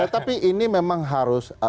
tapi ini memang harus